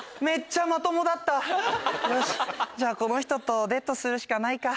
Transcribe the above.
じゃあこの人とデートするしかないか。